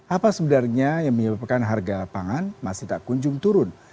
apa sebenarnya yang menyebabkan harga pangan masih tak kunjung turun